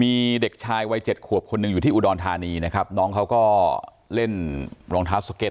มีเด็กชายวัยเจ็ดขวบคนหนึ่งอยู่ที่อุดรธานีนะครับน้องเขาก็เล่นรองเท้าสเก็ต